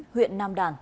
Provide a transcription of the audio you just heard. huyện nam đàn